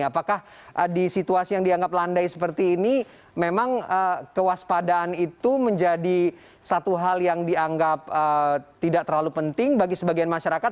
apakah di situasi yang dianggap landai seperti ini memang kewaspadaan itu menjadi satu hal yang dianggap tidak terlalu penting bagi sebagian masyarakat